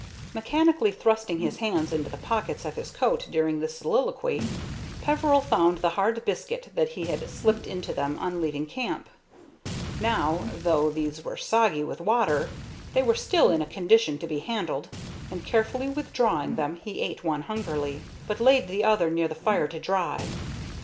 Mechanically thrusting his hands into the pockets of his coat during this soliloquy, Peveril found the hard biscuit that he had slipped into them on leaving camp. Now, though these were soggy with water, they were still in a condition to be handled, and, carefully withdrawing them, he ate one hungrily, but laid the other near the fire to dry.